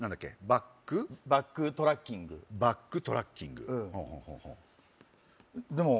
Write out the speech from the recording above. バックバックトラッキングバックトラッキングほうほう